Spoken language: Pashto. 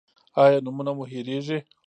ایا نومونه مو هیریږي؟